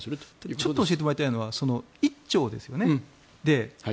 ちょっと教えてもらいたいのが１兆ですよね？